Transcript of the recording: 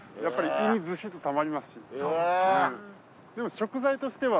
やっぱり胃にずしっとたまりますし。